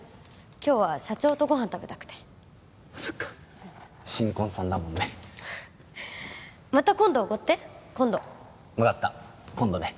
今日は社長とご飯食べたくてそっか新婚さんだもんねまた今度おごって今度分かった今度ね